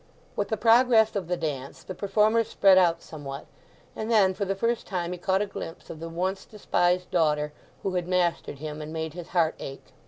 With the progress of the dance the performers spread out somewhat, and then for the first time he caught a glimpse of the once despised daughter who had mastered him, and made his heart ache.